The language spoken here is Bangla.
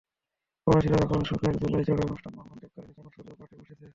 প্রবাসীরা যখন সুখের দোলায় চড়ে অনুষ্ঠান প্রাঙ্গণ ত্যাগ করছেন তখন সূর্য পাটে বসেছে।